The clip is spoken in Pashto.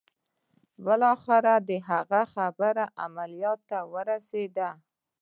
بالاخره د هغه خبره عمليات ته ورسېده.